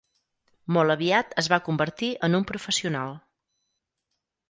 Molt aviat es va convertir en un professional.